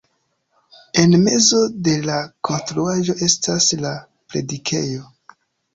En mezo de la konstruaĵo estas la predikejo.